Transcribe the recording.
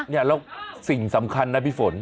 แล้วสิ่งสำคัญนะพี่ฝน